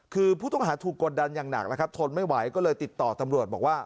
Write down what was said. คือผู้ต้องหาถูกกดดันอย่างหนักนะครับทนไม่ไหวก็เลยติดต่อตำรวจบอกว่า